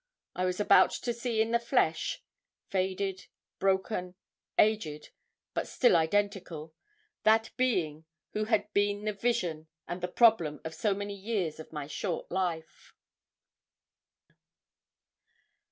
I was about to see in the flesh faded, broken, aged, but still identical that being who had been the vision and the problem of so many years of my short life.